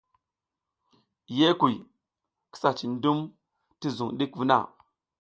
Ye kuy, kisa cin dum ti zung ɗik vuna.